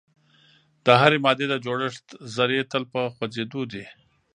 د هرې مادې د جوړښت ذرې تل په خوځیدو دي.